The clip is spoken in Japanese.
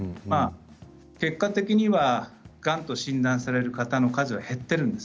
結果的にはがんと診断される方の数は減っているんです。